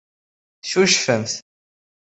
Teccucfemt.